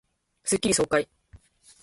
スッキリ爽快